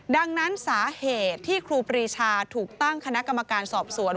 ดังนั้นสาเหตุที่ครูปรีชาถูกตั้งคณะกรรมการสอบสวน